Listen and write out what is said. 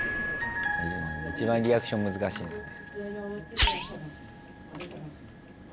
一番リアクション難しいんだよね。